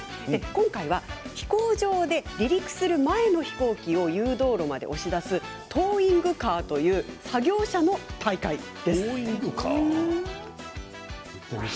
今回は飛行場で離陸する前の飛行機を誘導路まで押し出すトーイングカーという作業車の大会です。